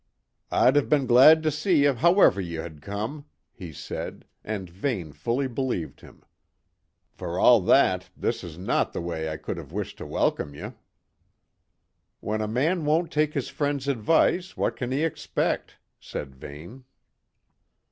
"I'd have been glad to see ye, however ye had come," he said, and Vane fully believed him. "For a' that, this is no the way I could have wished to welcome ye." "When a man won't take his friends' advice, what can he expect?" said Vane.